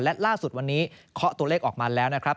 และล่าสุดวันนี้เคาะตัวเลขออกมาแล้วนะครับ